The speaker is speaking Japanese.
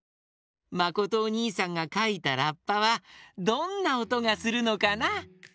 まことおにいさんがかいたラッパはどんなおとがするのかな？